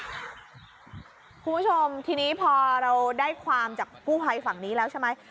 คุณผู้ชมทีนี้พอเราได้ความจากกู้ภัยฝั่งนี้แล้วใช่ไหม